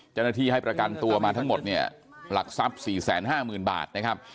ให้ประกันตัวมาทั้งหมดเนี่ยหลักทรัพย์๔๕๐๐๐บาทนะครับ